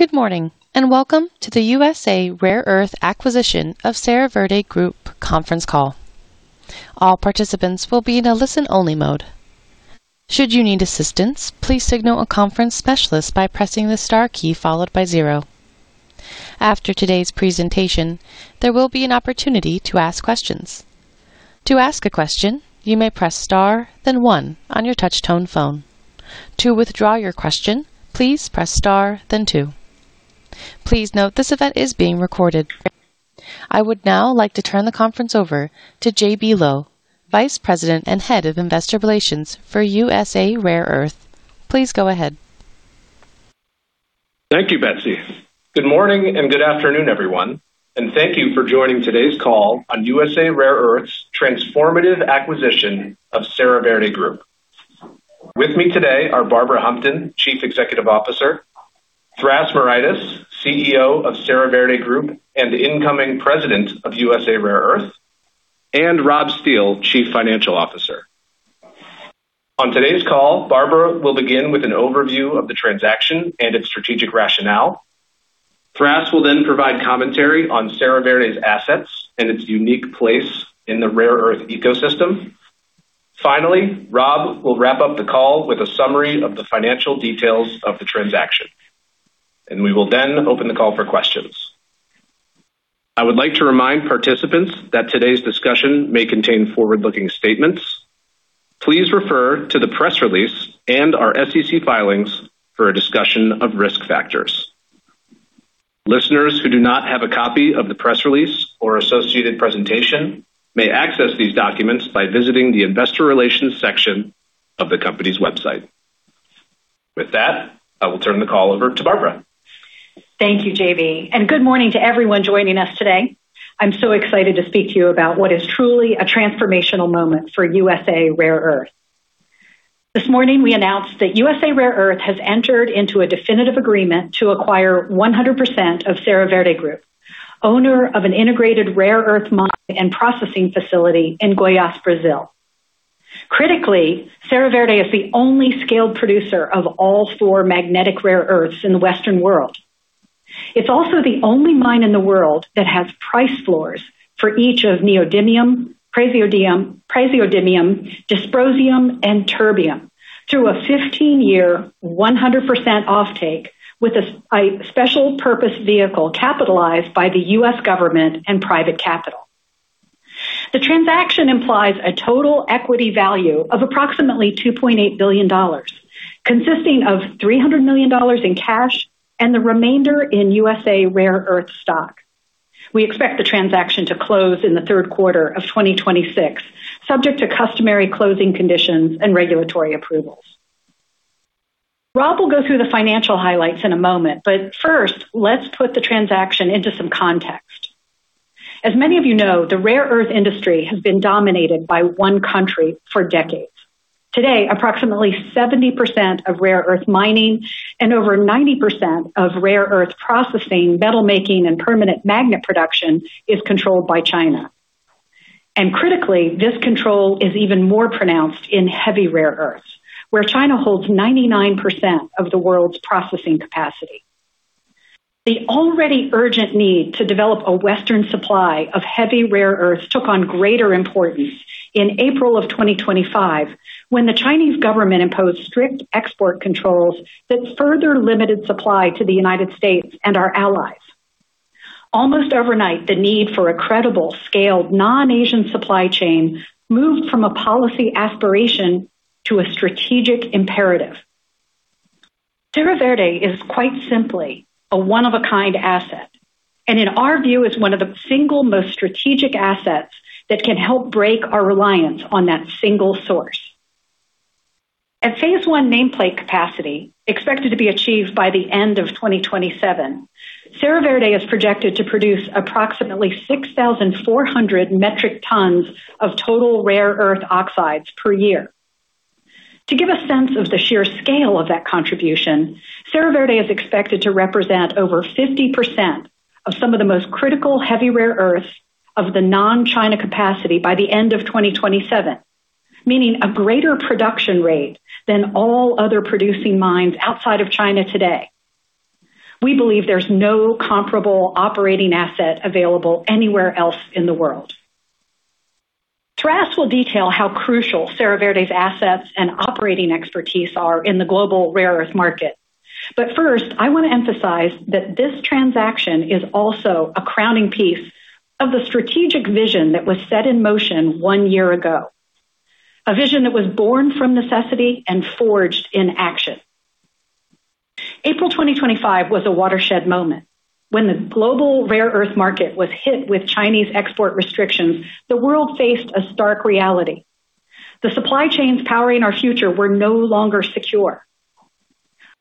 Good morning, and welcome to the USA Rare Earth acquisition of Serra Verde Group conference call. All participants will be in a listen-only mode. Should you need assistance, please signal a conference specialist by pressing the star key followed by zero. After today's presentation, there will be an opportunity to ask questions. To ask a question, you may press star, then one on your touch-tone phone. To withdraw your question, please press star then two. Please note this event is being recorded. I would now like to turn the conference over to J.B. Lowe, Vice President and Head of Investor Relations for USA Rare Earth. Please go ahead. Thank you, Betsy. Good morning and good afternoon, everyone, and thank you for joining today's call on USA Rare Earth's transformative acquisition of Serra Verde Group. With me today are Barbara Humpton, Chief Executive Officer, Thras Moraitis, CEO of Serra Verde Group and incoming President of USA Rare Earth, and Rob Steele, Chief Financial Officer. On today's call, Barbara will begin with an overview of the transaction and its strategic rationale. Thras will then provide commentary on Serra Verde's assets and its unique place in the rare earth ecosystem. Finally, Rob will wrap up the call with a summary of the financial details of the transaction, and we will then open the call for questions. I would like to remind participants that today's discussion may contain forward-looking statements. Please refer to the press release and our SEC filings for a discussion of risk factors. Listeners who do not have a copy of the press release or associated presentation may access these documents by visiting the investor relations section of the company's website. With that, I will turn the call over to Barbara. Thank you, J.B. Good morning to everyone joining us today. I'm so excited to speak to you about what is truly a transformational moment for USA Rare Earth. This morning, we announced that USA Rare Earth has entered into a definitive agreement to acquire 100% of Serra Verde Group, owner of an integrated rare earth mine and processing facility in Goiás, Brazil. Critically, Serra Verde is the only scaled producer of all four magnetic rare earths in the Western world. It's also the only mine in the world that has price floors for each of neodymium, praseodymium, dysprosium, and terbium through a 15-year 100% offtake with a special-purpose vehicle capitalized by the U.S. government and private capital. The transaction implies a total equity value of approximately $2.8 billion, consisting of $300 million in cash and the remainder in USA Rare Earth stock. We expect the transaction to close in the third quarter of 2026, subject to customary closing conditions and regulatory approvals. Rob will go through the financial highlights in a moment, but first, let's put the transaction into some context. As many of you know, the rare earth industry has been dominated by one country for decades. Today, approximately 70% of rare earth mining and over 90% of rare earth processing, metal making, and permanent magnet production is controlled by China. Critically, this control is even more pronounced in heavy rare earths, where China holds 99% of the world's processing capacity. The already urgent need to develop a Western supply of heavy rare earths took on greater importance in April 2025, when the Chinese government imposed strict export controls that further limited supply to the United States and our allies. Almost overnight, the need for a credible, scaled, non-Asian supply chain moved from a policy aspiration to a strategic imperative. Serra Verde is quite simply a one-of-a-kind asset, and in our view, is one of the single most strategic assets that can help break our reliance on that single source. At Phase 1 nameplate capacity, expected to be achieved by the end of 2027, Serra Verde is projected to produce approximately 6,400 metric tons of total rare earth oxides per year. To give a sense of the sheer scale of that contribution, Serra Verde is expected to represent over 50% of some of the most critical heavy rare earths of the non-China capacity by the end of 2027, meaning a greater production rate than all other producing mines outside of China today. We believe there's no comparable operating asset available anywhere else in the world. Thras will detail how crucial Serra Verde's assets and operating expertise are in the global rare earth market. But first, I want to emphasize that this transaction is also a crowning piece of the strategic vision that was set in motion one year ago. A vision that was born from necessity and forged in action. April 2025 was a watershed moment. When the global rare earth market was hit with Chinese export restrictions, the world faced a stark reality. The supply chains powering our future were no longer secure.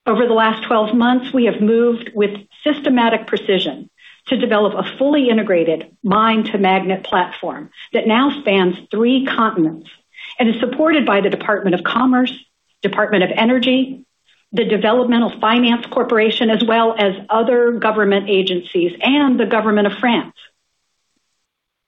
Over the last 12 months, we have moved with systematic precision to develop a fully integrated mine to magnet platform that now spans three continents and is supported by the Department of Commerce, Department of Energy, the Development Finance Corporation, as well as other government agencies and the government of France.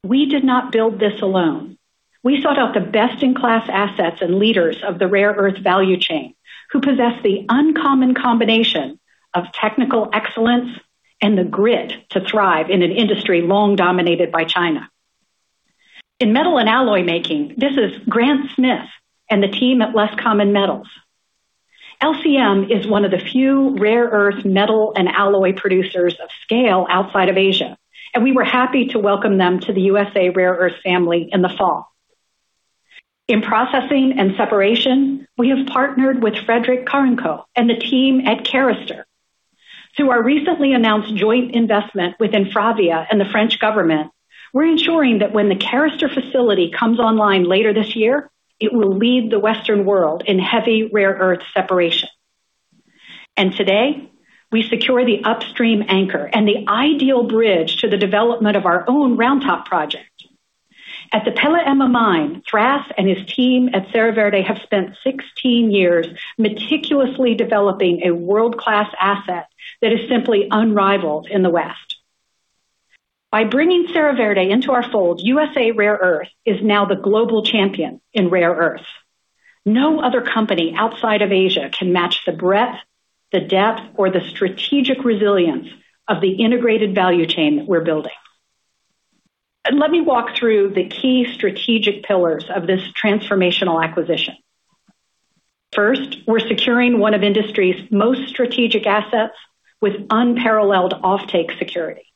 We did not build this alone. We sought out the best-in-class assets and leaders of the rare earth value chain who possess the uncommon combination of technical excellence and the grit to thrive in an industry long dominated by China. In metal and alloy making, this is Grant Smith and the team at Less Common Metals. LCM is one of the few rare earth metal and alloy producers of scale outside of Asia, and we were happy to welcome them to the USA Rare Earth family in the fall. In processing and separation, we have partnered with Frédéric Carencotte and the team at Carester. Through our recently announced joint investment with InfraVia and the French government, we're ensuring that when the Carester facility comes online later this year, it will lead the Western world in heavy rare earth separation. Today, we secure the upstream anchor and the ideal bridge to the development of our own Round Top project. At the Pela Ema Mine, Thras and his team at Serra Verde have spent 16 years meticulously developing a world-class asset that is simply unrivaled in the West. By bringing Serra Verde into our fold, USA Rare Earth is now the global champion in rare earth. No other company outside of Asia can match the breadth, the depth or the strategic resilience of the integrated value chain that we're building. Let me walk through the key strategic pillars of this transformational acquisition. First, we're securing one of industry's most strategic assets with unparalleled offtake security.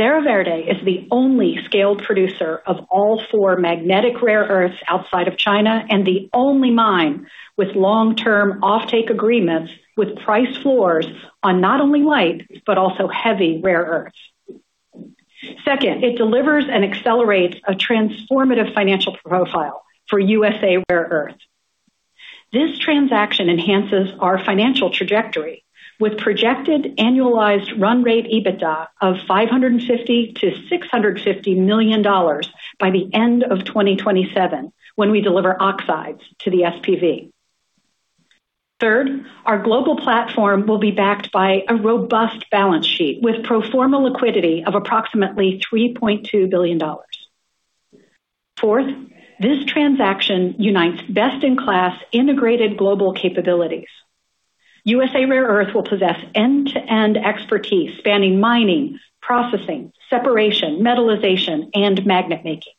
Serra Verde is the only scaled producer of all four magnetic rare earths outside of China, and the only mine with long-term offtake agreements with price floors on not only light, but also heavy rare earths. Second, it delivers and accelerates a transformative financial profile for USA Rare Earth. This transaction enhances our financial trajectory with projected annualized run rate EBITDA of $550 million-$650 million by the end of 2027 when we deliver oxides to the SPV. Third, our global platform will be backed by a robust balance sheet with pro forma liquidity of approximately $3.2 billion. Fourth, this transaction unites best-in-class integrated global capabilities. USA Rare Earth will possess end-to-end expertise spanning mining, processing, separation, metallization and magnet making.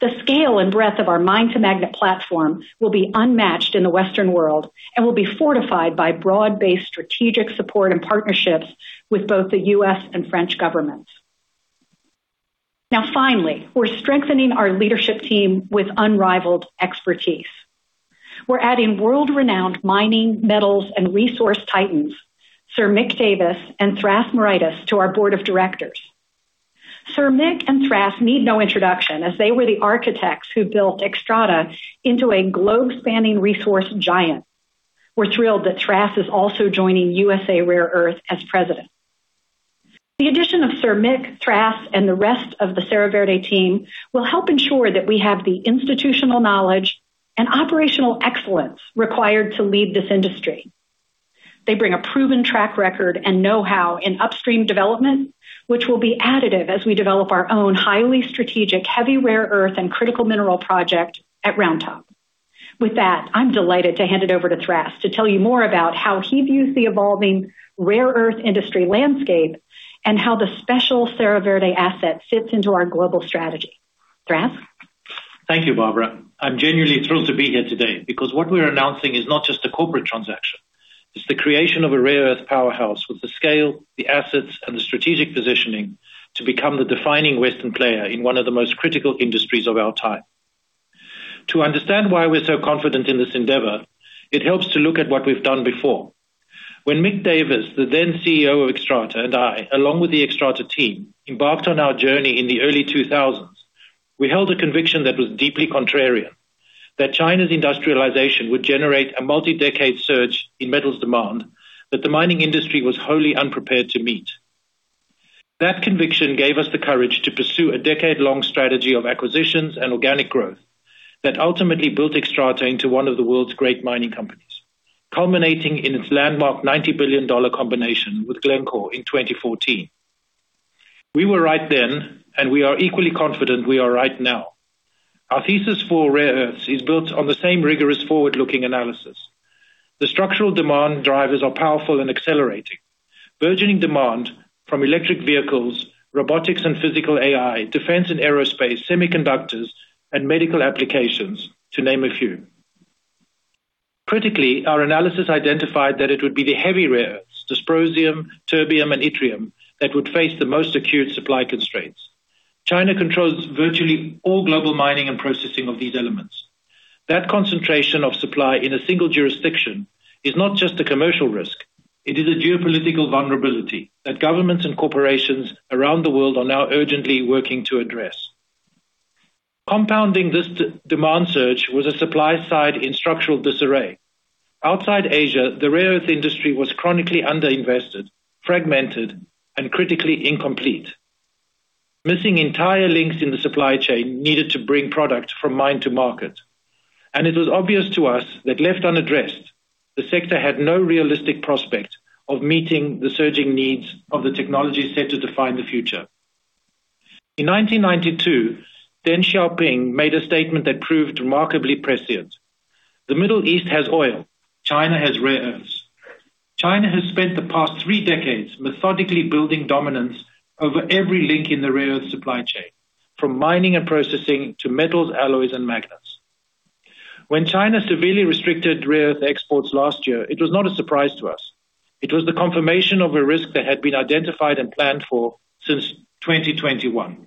The scale and breadth of our mine to magnet platform will be unmatched in the Western world and will be fortified by broad-based strategic support and partnerships with both the U.S. and French governments. Now finally, we're strengthening our leadership team with unrivaled expertise. We're adding world-renowned mining, metals and resource titans, Sir Mick Davis and Thras Moraitis to our board of directors. Sir Mick and Thras need no introduction as they were the architects who built Xstrata into a globe-spanning resource giant. We're thrilled that Thras is also joining USA Rare Earth as president. The addition of Sir Mick, Thras and the rest of the Serra Verde team will help ensure that we have the institutional knowledge and operational excellence required to lead this industry. They bring a proven track record and know-how in upstream development, which will be additive as we develop our own highly strategic, heavy rare earth and critical mineral project at Round Top. With that, I'm delighted to hand it over to Thras to tell you more about how he views the evolving rare earth industry landscape and how the Serra Verde asset fits into our global strategy. Thras? Thank you, Barbara. I'm genuinely thrilled to be here today because what we're announcing is not just a corporate transaction, it's the creation of a rare earth powerhouse with the scale, the assets, and the strategic positioning to become the defining Western player in one of the most critical industries of our time. To understand why we're so confident in this endeavor, it helps to look at what we've done before. When Mick Davis, the then CEO of Xstrata, and I, along with the Xstrata team, embarked on our journey in the early 2000s, we held a conviction that was deeply contrarian, that China's industrialization would generate a multi-decade surge in metals demand that the mining industry was wholly unprepared to meet. That conviction gave us the courage to pursue a decade-long strategy of acquisitions and organic growth that ultimately built Xstrata into one of the world's great mining companies, culminating in its landmark $90 billion combination with Glencore in 2014. We were right then, and we are equally confident we are right now. Our thesis for rare earths is built on the same rigorous forward-looking analysis. The structural demand drivers are powerful and accelerating. Burgeoning demand from electric vehicles, robotics and physical AI, defense and aerospace, semiconductors, and medical applications, to name a few. Critically, our analysis identified that it would be the heavy rare earths, dysprosium, terbium, and yttrium, that would face the most acute supply constraints. China controls virtually all global mining and processing of these elements. That concentration of supply in a single jurisdiction is not just a commercial risk, it is a geopolitical vulnerability that governments and corporations around the world are now urgently working to address. Compounding this demand surge was a supply side in structural disarray. Outside Asia, the rare earth industry was chronically under-invested, fragmented, and critically incomplete. Missing entire links in the supply chain needed to bring product from mine to market. It was obvious to us that left unaddressed, the sector had no realistic prospect of meeting the surging needs of the technology set to define the future. In 1992, Deng Xiaoping made a statement that proved remarkably prescient. "The Middle East has oil, China has rare earths." China has spent the past three decades methodically building dominance over every link in the rare earth supply chain, from mining and processing to metals, alloys, and magnets. When China severely restricted rare earth exports last year, it was not a surprise to us. It was the confirmation of a risk that had been identified and planned for since 2021.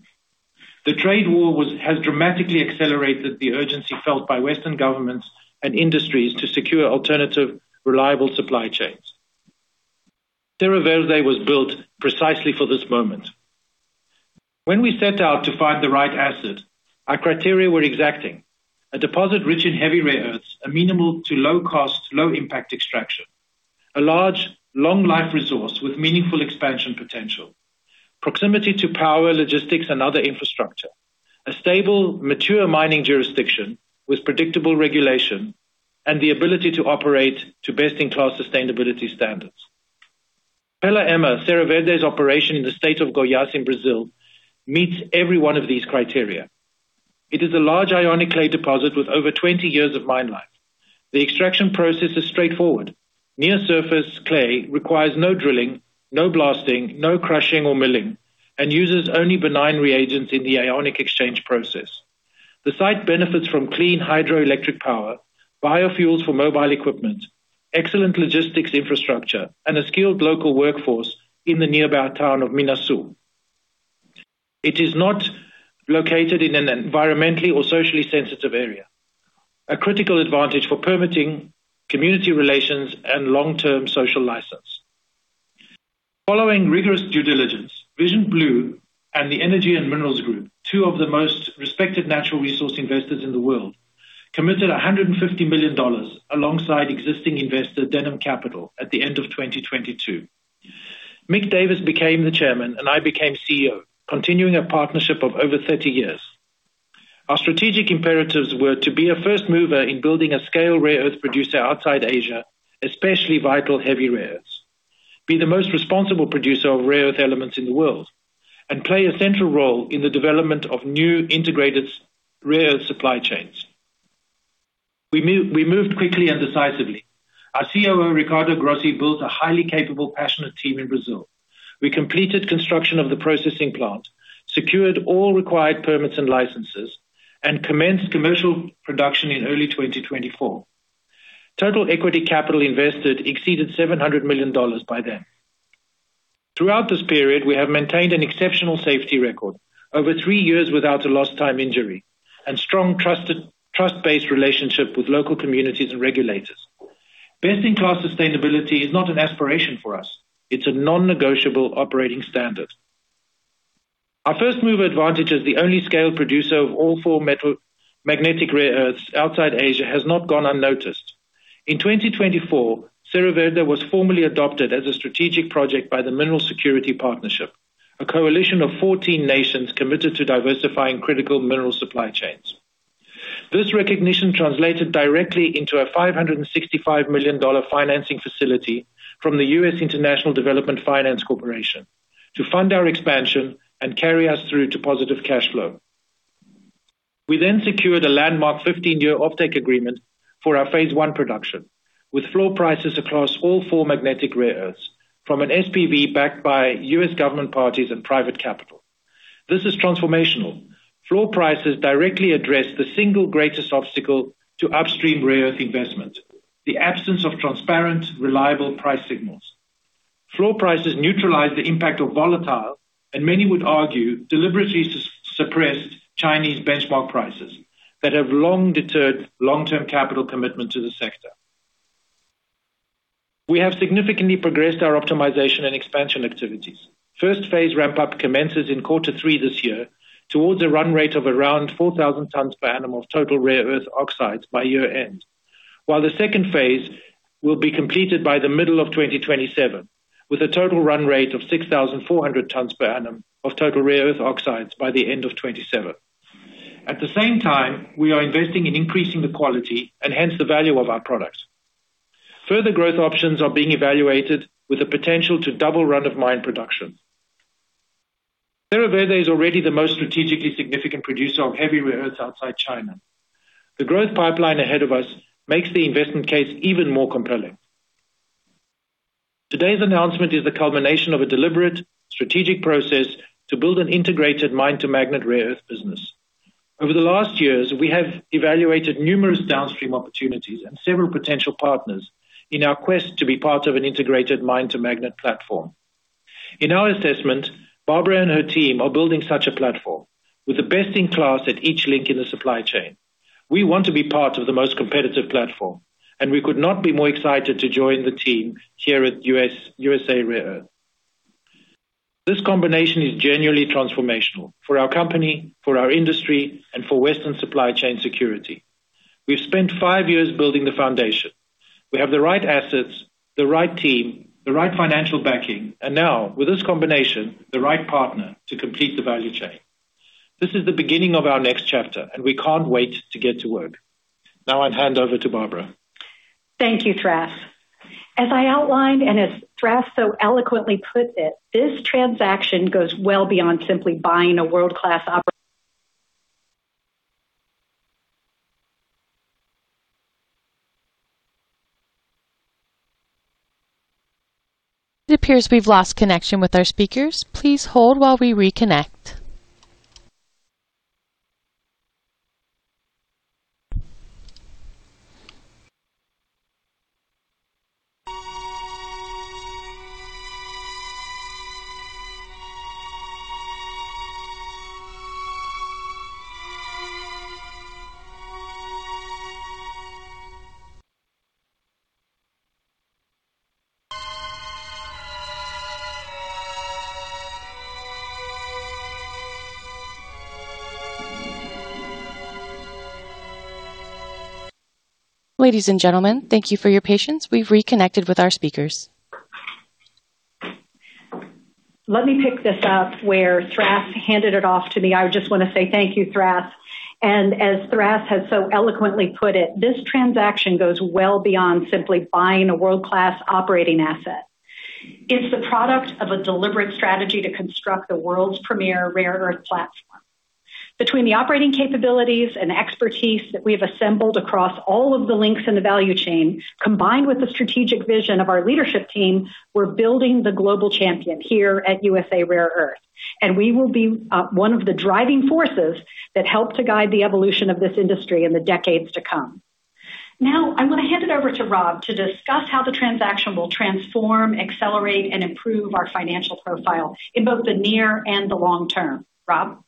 The trade war has dramatically accelerated the urgency felt by Western governments and industries to secure alternative, reliable supply chains. Serra Verde was built precisely for this moment. When we set out to find the right asset, our criteria were exacting, a deposit rich in heavy rare earths, a minimal to low-cost, low-impact extraction, a large long life resource with meaningful expansion potential, proximity to power, logistics, and other infrastructure, a stable, mature mining jurisdiction with predictable regulation, and the ability to operate to best-in-class sustainability standards. Pela Ema, Serra Verde's operation in the state of Goiás in Brazil, meets every one of these criteria. It is a large ionic clay deposit with over 20 years of mine life. The extraction process is straightforward. Near-surface clay requires no drilling, no blasting, no crushing or milling, and uses only benign reagents in the ionic exchange process. The site benefits from clean hydroelectric power, biofuels for mobile equipment, excellent logistics infrastructure, and a skilled local workforce in the nearby town of Minaçu. It is not located in an environmentally or socially sensitive area, a critical advantage for permitting community relations and long-term social license. Following rigorous due diligence, Vision Blue and the Energy and Minerals Group, two of the most respected natural resource investors in the world, committed $150 million alongside existing investor Denham Capital at the end of 2022. Mick Davis became the chairman, and I became CEO, continuing a partnership of over 30 years. Our strategic imperatives were to be a first mover in building a scale rare earth producer outside Asia, especially vital heavy rare earths, be the most responsible producer of rare earth elements in the world, and play a central role in the development of new integrated rare earth supply chains. We moved quickly and decisively. Our COO, Ricardo Grossi, built a highly capable, passionate team in Brazil. We completed construction of the processing plant, secured all required permits and licenses, and commenced commercial production in early 2024. Total equity capital invested exceeded $700 million by then. Throughout this period, we have maintained an exceptional safety record, over three years without a lost time injury and strong trust-based relationship with local communities and regulators. Best-in-class sustainability is not an aspiration for us. It's a non-negotiable operating standard. Our first-mover advantage as the only scale producer of all four magnetic rare earths outside Asia has not gone unnoticed. In 2024, Serra Verde was formally adopted as a strategic project by the Mineral Security Partnership, a coalition of 14 nations committed to diversifying critical mineral supply chains. This recognition translated directly into a $565 million financing facility from the U.S. International Development Finance Corporation to fund our expansion and carry us through to positive cash flow. We then secured a landmark 15-year offtake agreement for our Phase 1 production, with floor prices across all four magnetic rare earths from an SPV backed by U.S. government parties and private capital. This is transformational. Floor prices directly address the single greatest obstacle to upstream rare earth investment, the absence of transparent, reliable price signals. Floor prices neutralize the impact of volatile, and many would argue, deliberately suppressed Chinese benchmark prices that have long deterred long-term capital commitment to the sector. We have significantly progressed our optimization and expansion activities. First phase ramp-up commences in quarter three this year towards a run rate of around 4,000 tons per annum of total rare earth oxides by year-end. While the second phase will be completed by the middle of 2027 with a total run rate of 6,400 tons per annum of total rare earth oxides by the end of 2027. At the same time, we are investing in increasing the quality and hence the value of our products. Further growth options are being evaluated with the potential to double run of mine production. Serra Verde is already the most strategically significant producer of heavy rare earths outside China. The growth pipeline ahead of us makes the investment case even more compelling. Today's announcement is the culmination of a deliberate, strategic process to build an integrated mine-to-magnet rare earth business. Over the last years, we have evaluated numerous downstream opportunities and several potential partners in our quest to be part of an integrated mine-to-magnet platform. In our assessment, Barbara and her team are building such a platform with the best-in-class at each link in the supply chain. We want to be part of the most competitive platform, and we could not be more excited to join the team here at USA Rare Earth. This combination is genuinely transformational for our company, for our industry, and for Western supply chain security. We've spent five years building the foundation. We have the right assets, the right team, the right financial backing, and now with this combination, the right partner to complete the value chain. This is the beginning of our next chapter, and we can't wait to get to work. Now I'll hand over to Barbara. Thank you, Thras. As I outlined, and as Thras so eloquently put it, this transaction goes well beyond simply buying a world-class operation. It appears we've lost connection with our speakers. Please hold while we reconnect. Ladies and gentlemen, thank you for your patience. We've reconnected with our speakers. Let me pick this up where Thras handed it off to me. I just want to say thank you, Thras, and as Thras has so eloquently put it, this transaction goes well beyond simply buying a world-class operating asset. It's the product of a deliberate strategy to construct the world's premier rare earth platform. Between the operating capabilities and expertise that we have assembled across all of the links in the value chain, combined with the strategic vision of our leadership team, we're building the global champion here at USA Rare Earth, and we will be one of the driving forces that help to guide the evolution of this industry in the decades to come. Now, I'm going to hand it over to Rob to discuss how the transaction will transform, accelerate, and improve our financial profile in both the near and the long term. Rob?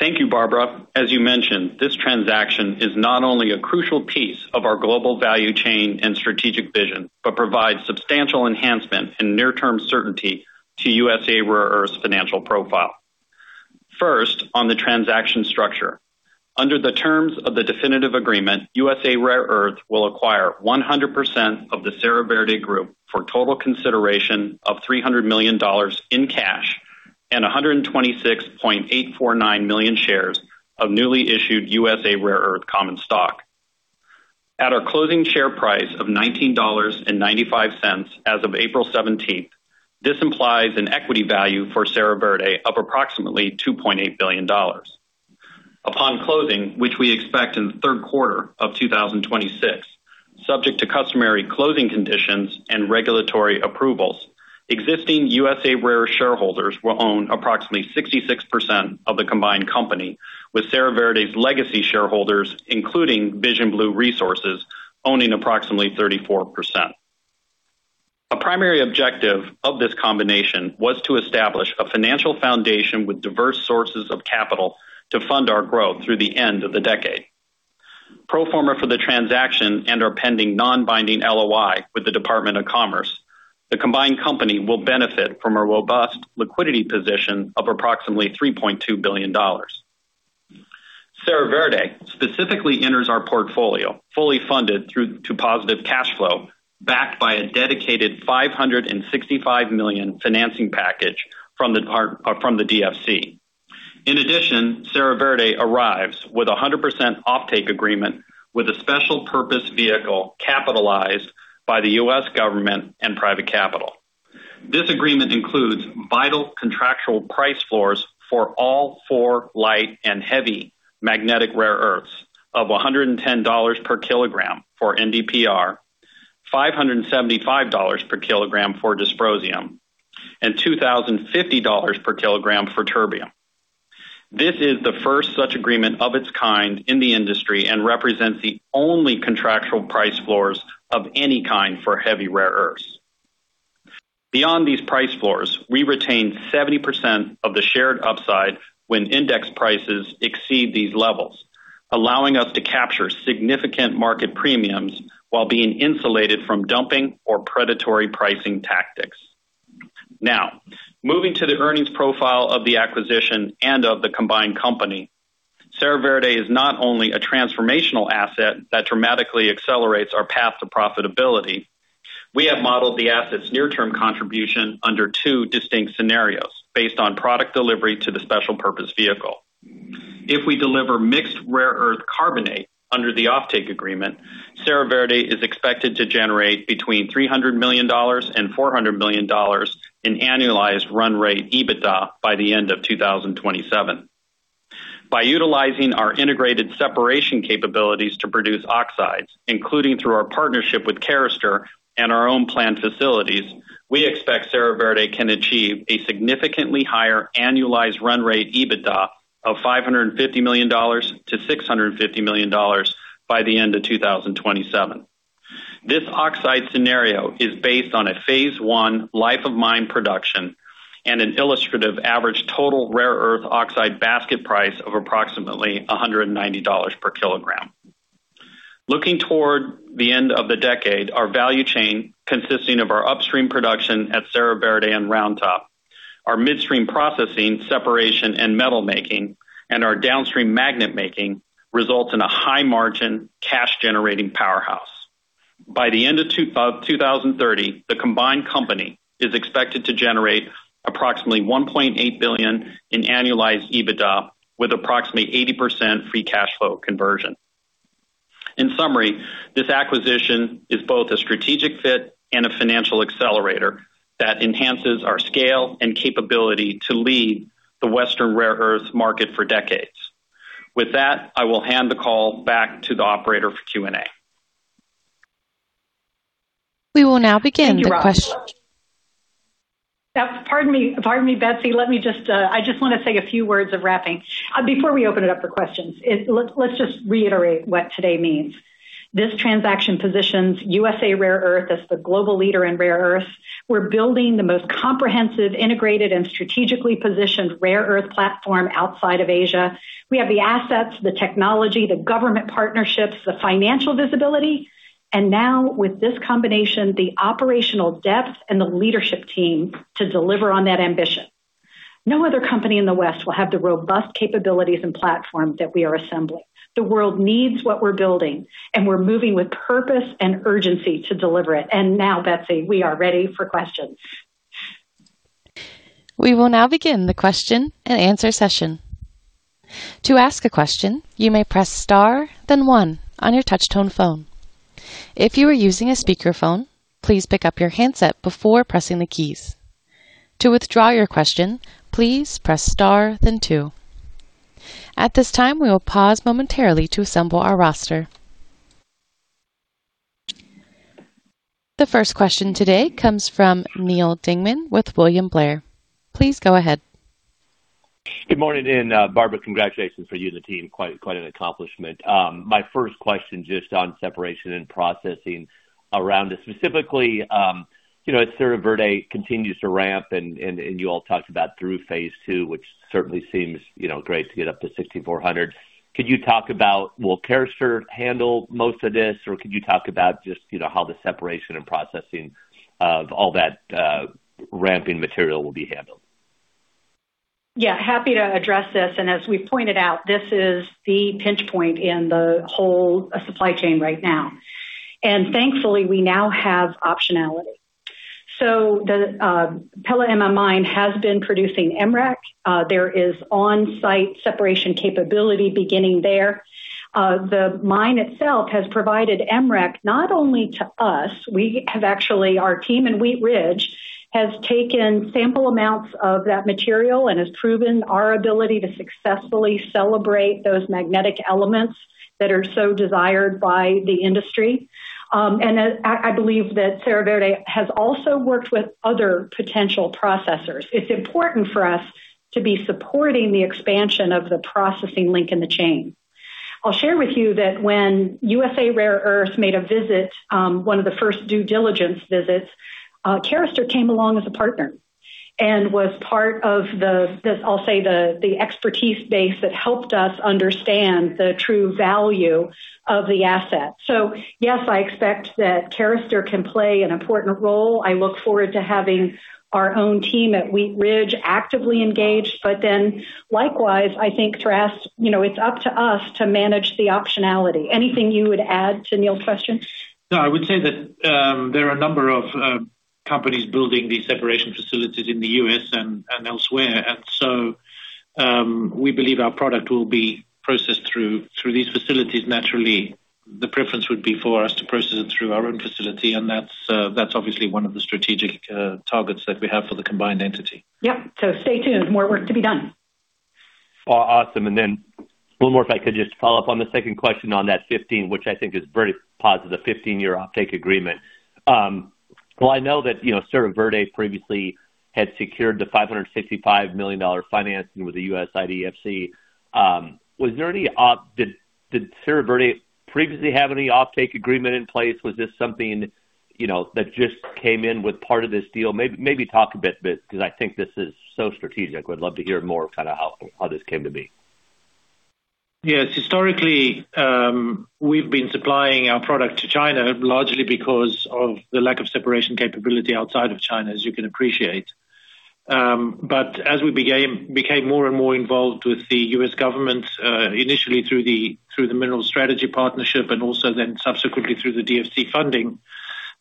Thank you, Barbara. As you mentioned, this transaction is not only a crucial piece of our global value chain and strategic vision but provides substantial enhancement and near-term certainty to USA Rare Earth's financial profile. First, on the transaction structure. Under the terms of the definitive agreement, USA Rare Earth will acquire 100% of the Serra Verde Group for a total consideration of $300 million in cash and 126.849 million shares of newly issued USA Rare Earth common stock. At our closing share price of $19.95 as of April 17th, this implies an equity value for Serra Verde of approximately $2.8 billion. Upon closing, which we expect in the third quarter of 2026, subject to customary closing conditions and regulatory approvals, existing USA Rare Earth shareholders will own approximately 66% of the combined company, with Serra Verde's legacy shareholders, including Vision Blue Resources, owning approximately 34%. A primary objective of this combination was to establish a financial foundation with diverse sources of capital to fund our growth through the end of the decade. Pro forma for the transaction and our pending non-binding LOI with the Department of Commerce, the combined company will benefit from a robust liquidity position of approximately $3.2 billion. Serra Verde specifically enters our portfolio, fully funded through to positive cash flow, backed by a dedicated $565 million financing package from the DFC. In addition, Serra Verde arrives with a 100% offtake agreement with a special-purpose vehicle capitalized by the U.S. government and private capital. This agreement includes vital contractual price floors for all four light and heavy magnetic rare earths of $110 per kg for NDPR, $575 per kg for dysprosium, and $2,050 per kg for terbium. This is the first such agreement of its kind in the industry and represents the only contractual price floors of any kind for heavy rare earths. Beyond these price floors, we retain 70% of the shared upside when index prices exceed these levels, allowing us to capture significant market premiums while being insulated from dumping or predatory pricing tactics. Now, moving to the earnings profile of the acquisition and of the combined company. Serra Verde is not only a transformational asset that dramatically accelerates our path to profitability. We have modeled the asset's near-term contribution under two distinct scenarios based on product delivery to the special-purpose vehicle. If we deliver mixed rare earth carbonate under the offtake agreement, Serra Verde is expected to generate between $300 million and $400 million in annualized run rate EBITDA by the end of 2027. By utilizing our integrated separation capabilities to produce oxides, including through our partnership with Carester and our own plant facilities, we expect Serra Verde can achieve a significantly higher annualized run rate EBITDA of $550 million-$650 million by the end of 2027. This oxide scenario is based on a Phase 1 life of mine production and an illustrative average total rare earth oxide basket price of approximately $190 per kg. Looking toward the end of the decade, our value chain, consisting of our upstream production at Serra Verde and Round Top, our midstream processing, separation and metal making and our downstream magnet making results in a high margin cash generating powerhouse. By the end of 2030, the combined company is expected to generate approximately $1.8 billion in annualized EBITDA with approximately 80% free cash flow conversion. In summary, this acquisition is both a strategic fit and a financial accelerator that enhances our scale and capability to lead the Western rare earth market for decades. With that, I will hand the call back to the operator for Q&A. We will now begin the question. Thank you, Rob. Pardon me, Betsy. I just want to say a few words of wrapping before we open it up for questions. Let's just reiterate what today means. This transaction positions USA Rare Earth as the global leader in rare earths. We're building the most comprehensive, integrated and strategically positioned rare earth platform outside of Asia. We have the assets, the technology, the government partnerships, the financial visibility, and now with this combination, the operational depth and the leadership team to deliver on that ambition. No other company in the West will have the robust capabilities and platforms that we are assembling. The world needs what we're building, and we're moving with purpose and urgency to deliver it. Now, Betsy, we are ready for questions. We will now begin the question-and-answer session. To ask a question, you may press star then one on your touch-tone phone. If you are using a speakerphone, please pick up your handset before pressing the keys. To withdraw your question, please press star then two. At this time, we will pause momentarily to assemble our roster. The first question today comes from Neal Dingmann with William Blair. Please go ahead. Good morning, Barbara, congratulations for you and the team. Quite an accomplishment. My first question, just on separation and processing around it, specifically as Serra Verde continues to ramp and you all talked about through Phase 2, which certainly seems great to get up to 6,400. Could you talk about will Carester handle most of this? Or could you talk about just how the separation and processing of all that ramping material will be handled? Yeah, happy to address this, and as we pointed out, this is the pinch point in the whole supply chain right now. Thankfully we now have optionality. The Pela Ema mine has been producing MREC. There is on-site separation capability beginning there. The mine itself has provided MREC not only to us. We have actually, our team in Wheat Ridge has taken sample amounts of that material and has proven our ability to successfully separate those magnetic elements that are so desired by the industry. I believe that Serra Verde has also worked with other potential processors. It's important for us to be supporting the expansion of the processing link in the chain. I'll share with you that when USA Rare Earth made a visit, one of the first due diligence visits, Carester came along as a partner and was part of the, I'll say the expertise base that helped us understand the true value of the asset. Yes, I expect that Carester can play an important role. I look forward to having our own team at Wheat Ridge actively engaged. Likewise, I think, it's up to us to manage the optionality. Anything you would add to Neal's question? No, I would say that there are a number of companies building these separation facilities in the U.S. and elsewhere. We believe our product will be processed through these facilities. Naturally, the preference would be for us to process it through our own facility, and that's obviously one of the strategic targets that we have for the combined entity. Yep. Stay tuned. More work to be done. Awesome. One more, if I could just follow-up on the second question on that 15-year, which I think is very positive, the 15-year offtake agreement. Well, I know that Serra Verde previously had secured the $565 million financing with the U.S. DFC. Did Serra Verde previously have any offtake agreement in place? Was this something that just came in with part of this deal? Maybe talk a bit because I think this is so strategic. I would love to hear more kind of how this came to be. Yes, historically, we've been supplying our product to China largely because of the lack of separation capability outside of China, as you can appreciate. As we became more and more involved with the U.S. government initially through the Mineral Security Partnership and also then subsequently through the DFC funding,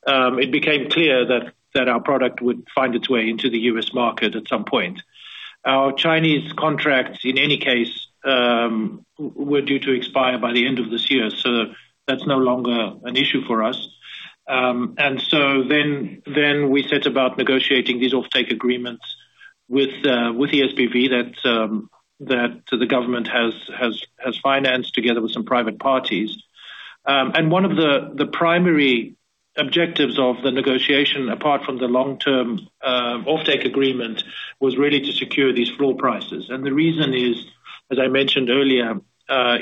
it became clear that our product would find its way into the U.S. market at some point. Our Chinese contracts, in any case, were due to expire by the end of this year. That's no longer an issue for us. We set about negotiating these offtake agreements with SPV that the government has financed together with some private parties. One of the primary objectives of the negotiation, apart from the long-term offtake agreement, was really to secure these floor prices. The reason is, as I mentioned earlier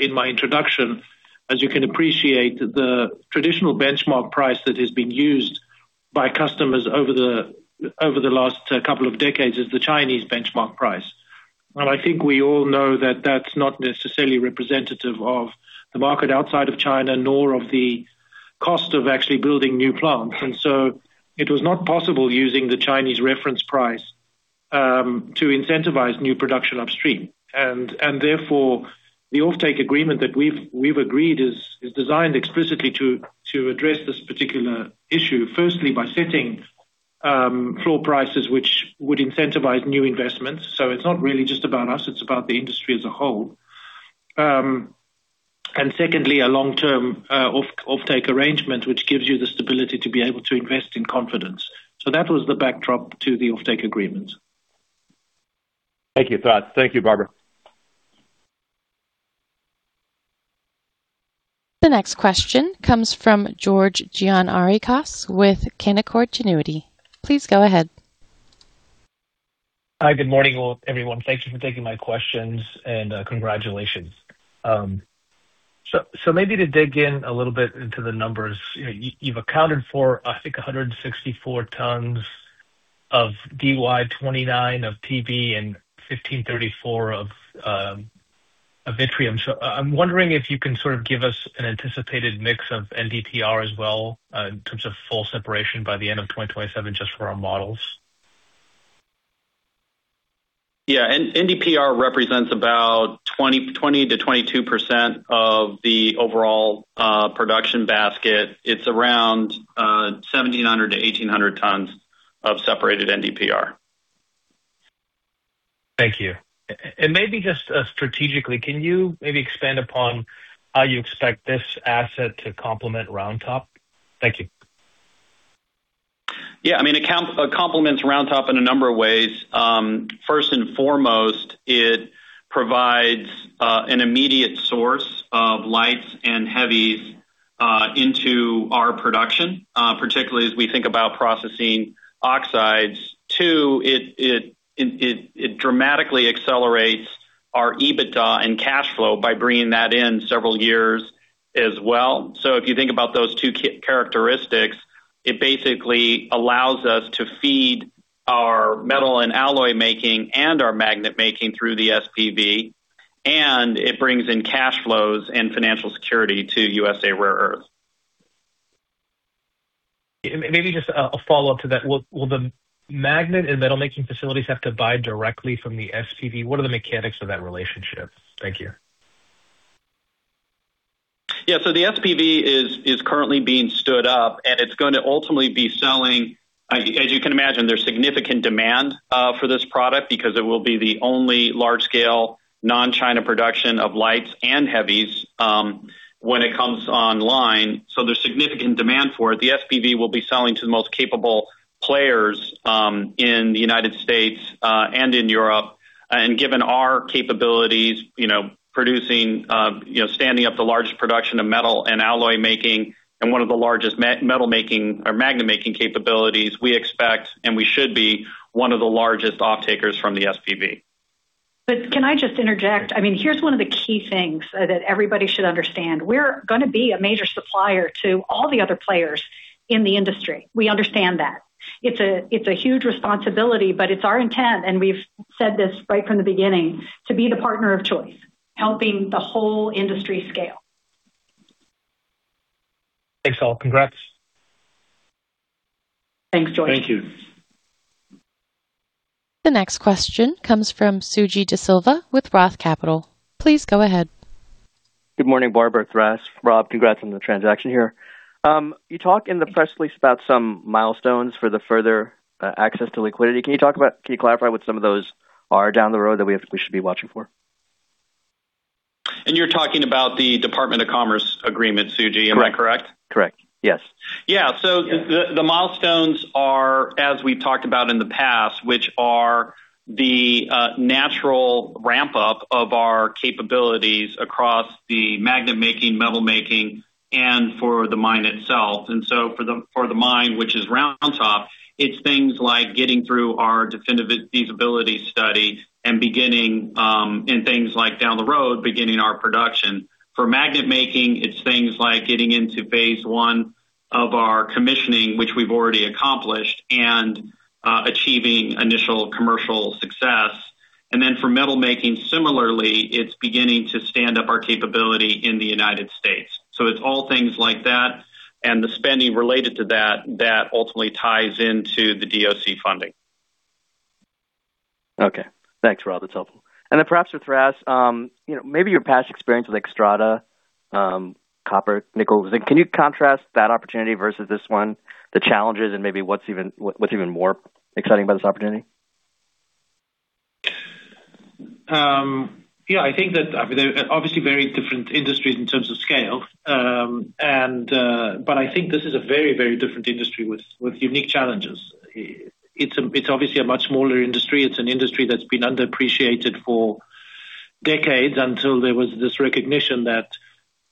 in my introduction, as you can appreciate, the traditional benchmark price that has been used by customers over the last couple of decades is the Chinese benchmark price. I think we all know that that's not necessarily representative of the market outside of China, nor of the cost of actually building new plants. It was not possible using the Chinese reference price to incentivize new production upstream. Therefore, the offtake agreement that we've agreed is designed explicitly to address this particular issue, firstly, by setting floor prices which would incentivize new investments. It's not really just about us, it's about the industry as a whole. Secondly, a long-term offtake arrangement, which gives you the stability to be able to invest in confidence. That was the backdrop to the offtake agreement. Thank you, Thras. Thank you, Barbara. The next question comes from George Gianarikas with Canaccord Genuity. Please go ahead. Hi, good morning, everyone. Thank you for taking my questions, and congratulations. Maybe to dig in a little bit into the numbers. You've accounted for, I think, 164 tons of Dy2O3, of Tb4O7 and 1534 of yttrium. I'm wondering if you can sort of give us an anticipated mix of NDPR as well in terms of full separation by the end of 2027, just for our models. Yeah. NDPR represents about 20%-22% of the overall production basket. It's around 1,700 tons-1,800 tons of separated NDPR. Thank you. Maybe just strategically, can you maybe expand upon how you expect this asset to complement Round Top? Thank you. Yeah. It complements Round Top in a number of ways. First and foremost, it provides an immediate source of lights and heavies into our production, particularly as we think about processing oxides. Two, it dramatically accelerates our EBITDA and cash flow by bringing that in several years as well. If you think about those two characteristics, it basically allows us to feed our metal and alloy making and our magnet making through the SPV, and it brings in cash flows and financial security to USA Rare Earth. Maybe just a follow-up to that. Will the magnet and metal making facilities have to buy directly from the SPV? What are the mechanics of that relationship? Thank you. Yeah. The SPV is currently being stood up, and it's going to ultimately be selling. As you can imagine, there's significant demand for this product because it will be the only large-scale non-China production of lights and heavies when it comes online, so there's significant demand for it. The SPV will be selling to the most capable players in the United States and in Europe. Given our capabilities producing, standing up the largest production of metal and alloy making and one of the largest magnet making capabilities, we expect, and we should be one of the largest offtakers from the SPV. Can I just interject? Here's one of the key things that everybody should understand. We're going to be a major supplier to all the other players in the industry. We understand that. It's a huge responsibility, but it's our intent, and we've said this right from the beginning, to be the partner of choice, helping the whole industry scale. Thanks all. Congrats. Thanks, George. Thank you. The next question comes from Suji DeSilva with Roth Capital. Please go ahead. Good morning, Barbara, Thras, Rob. Congrats on the transaction here. You talk in the press release about some milestones for the further access to liquidity. Can you clarify what some of those are down the road that we should be watching for? You're talking about the Department of Commerce agreement, Suji, am I correct? Correct. Yes. Yeah. The milestones are, as we've talked about in the past, which are the natural ramp-up of our capabilities across the magnet making, metal making, and for the mine itself. For the mine, which is Round Top, it's things like getting through our definitive feasibility study and, down the road, beginning our production. For magnet making, it's things like getting into Phase 1 of our commissioning, which we've already accomplished, and achieving initial commercial success. For metal making, similarly, it's beginning to stand up our capability in the United States. It's all things like that and the spending related to that that ultimately ties into the DOC funding. Okay. Thanks, Rob. That's helpful. Perhaps for Thras, maybe your past experience with Xstrata copper, nickel. Can you contrast that opportunity versus this one, the challenges and maybe what's even more exciting about this opportunity? Yeah, I think that they're obviously very different industries in terms of scale. I think this is a very different industry with unique challenges. It's obviously a much smaller industry. It's an industry that's been underappreciated for decades until there was this recognition that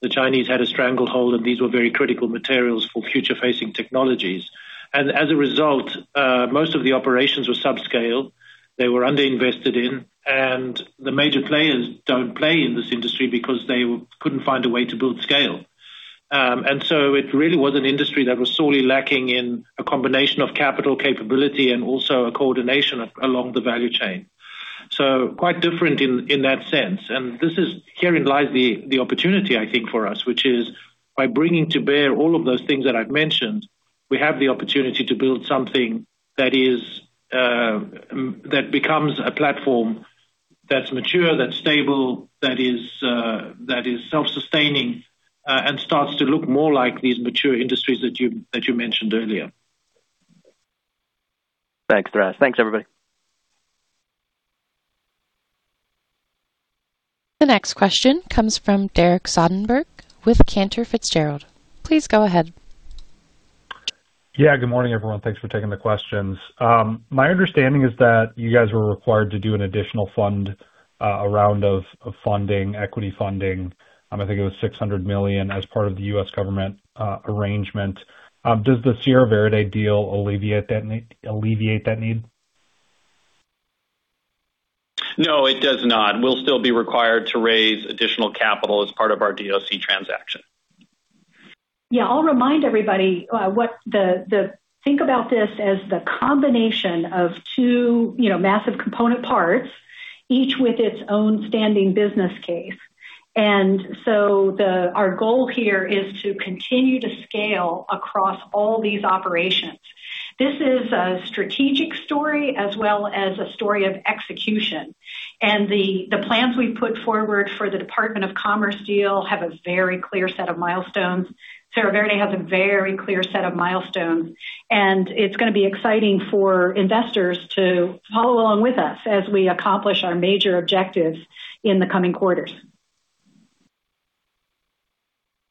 the Chinese had a stranglehold and these were very critical materials for future facing technologies. As a result, most of the operations were subscale. They were under-invested in, and the major players don't play in this industry because they couldn't find a way to build scale. It really was an industry that was sorely lacking in a combination of capital capability and also a coordination along the value chain. Quite different in that sense. Herein lies the opportunity, I think for us, which is by bringing to bear all of those things that I've mentioned, we have the opportunity to build something that becomes a platform that's mature, that's stable, that is self-sustaining, and starts to look more like these mature industries that you mentioned earlier. Thanks, Thras. Thanks, everybody. The next question comes from Derek Soderberg with Cantor Fitzgerald. Please go ahead. Yeah, good morning, everyone. Thanks for taking the questions. My understanding is that you guys were required to do an additional fund, a round of funding, equity funding, I think it was $600 million as part of the U.S. government arrangement. Does the Serra Verde deal alleviate that need? No, it does not. We'll still be required to raise additional capital as part of our DOC transaction. Yeah. I'll remind everybody, think about this as the combination of two massive component parts, each with its own standing business case. Our goal here is to continue to scale across all these operations. This is a strategic story as well as a story of execution. The plans we put forward for the Department of Commerce deal have a very clear set of milestones. Serra Verde has a very clear set of milestones, and it's going to be exciting for investors to follow along with us as we accomplish our major objectives in the coming quarters.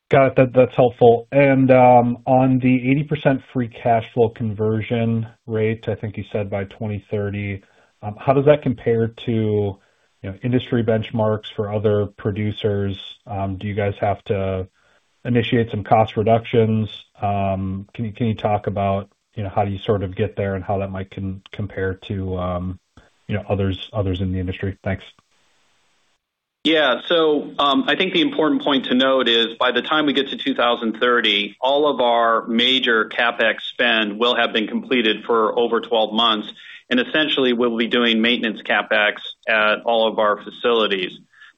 Got it. That's helpful. On the 80% free cash flow conversion rate, I think you said by 2030, how does that compare to industry benchmarks for other producers? Do you guys have to initiate some cost reductions? Can you talk about how do you sort of get there and how that might compare to others in the industry? Thanks. Yeah. I think the important point to note is by the time we get to 2030, all of our major CapEx spend will have been completed for over 12 months, and essentially we'll be doing maintenance CapEx at all of our facilities.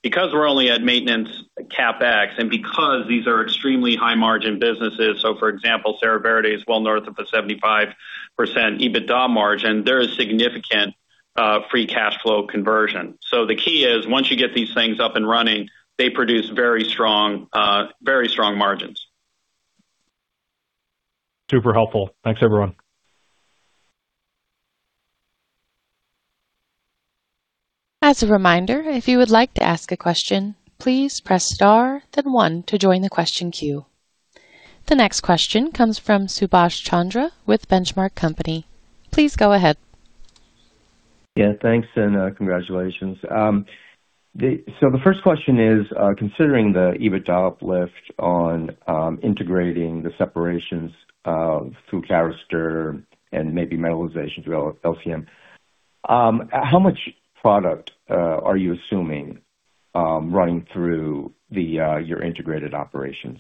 Because we're only at maintenance CapEx, and because these are extremely high margin businesses, for example, Serra Verde is well north of a 75% EBITDA margin, there is significant free cash flow conversion. The key is, once you get these things up and running, they produce very strong margins. Super helpful. Thanks, everyone. As a reminder, if you would like to ask a question, please press star then one to join the question queue. The next question comes from Subash Chandra with The Benchmark Company. Please go ahead. Yeah, thanks, and congratulations. The first question is, considering the EBITDA uplift on integrating the separations through Carester and maybe metallization through LCM, how much product are you assuming running through your integrated operations?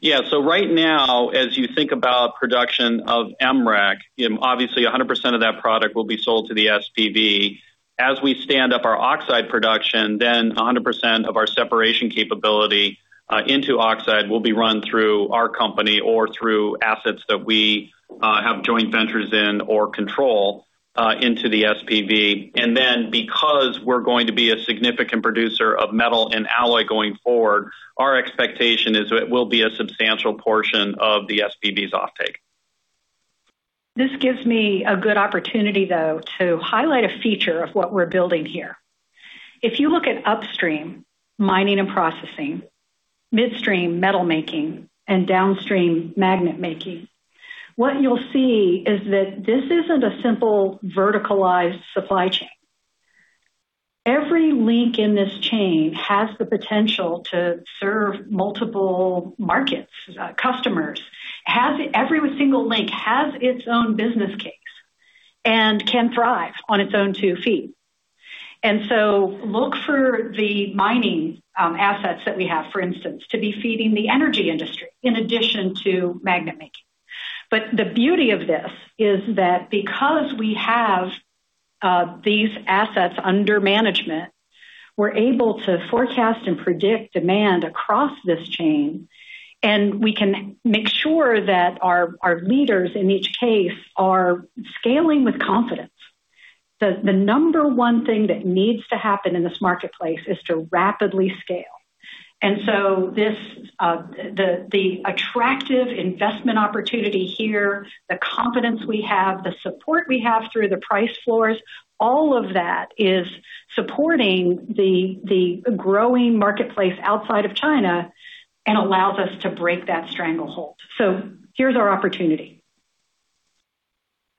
Yeah. Right now, as you think about production of MREC, obviously 100% of that product will be sold to the SPV. As we stand up our oxide production, then 100% of our separation capability into oxide will be run through our company or through assets that we have joint ventures in or control into the SPV. Because we're going to be a significant producer of metal and alloy going forward, our expectation is it will be a substantial portion of the SPV's offtake. This gives me a good opportunity, though, to highlight a feature of what we're building here. If you look at upstream mining and processing, midstream metal making, and downstream magnet making, what you'll see is that this isn't a simple verticalized supply chain. Every link in this chain has the potential to serve multiple markets, customers. Every single link has its own business case and can thrive on its own two feet. Look for the mining assets that we have, for instance, to be feeding the energy industry in addition to magnet making. The beauty of this is that because we have these assets under management, we're able to forecast and predict demand across this chain, and we can make sure that our leaders in each case are scaling with confidence. The number one thing that needs to happen in this marketplace is to rapidly scale. The attractive investment opportunity here, the confidence we have, the support we have through the price floors, all of that is supporting the growing marketplace outside of China and allows us to break that stranglehold. Here's our opportunity.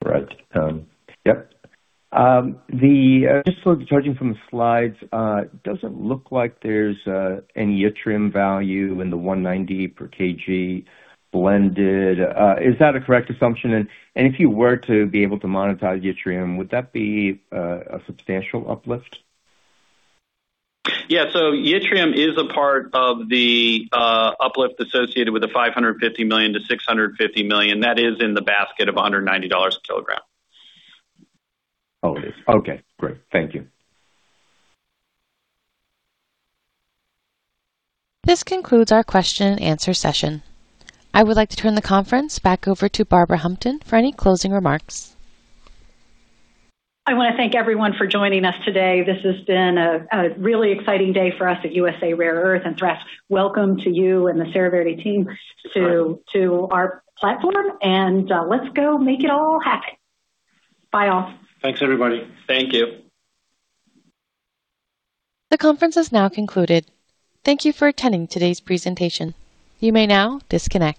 Right. Yep. Just judging from the slides, doesn't look like there's any yttrium value in the $190 per kg blended. Is that a correct assumption? If you were to be able to monetize yttrium, would that be a substantial uplift? Yeah. Yttrium is a part of the uplift associated with the $550 million-$650 million. That is in the basket of $190 a kilogram. Oh, it is. Okay, great. Thank you. This concludes our question-and-answer session. I would like to turn the conference back over to Barbara Humpton for any closing remarks. I want to thank everyone for joining us today. This has been a really exciting day for us at USA Rare Earth and Thras. Welcome to you and the Serra Verde team to our platform, and let's go make it all happen. Bye, all. Thanks, everybody. Thank you. The conference is now concluded. Thank you for attending today's presentation. You may now disconnect.